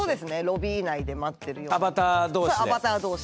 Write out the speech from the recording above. ロビー内で待ってるような。